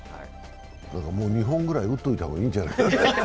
もう２本ぐらい打っておいた方がいいんじゃないの？